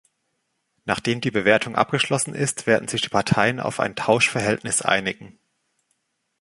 Nachdem die Bewertung abgeschlossen ist, werden sich die Parteien auf ein Tauschverhältnis einigen.